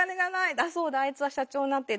あそうだあいつは社長になっていた。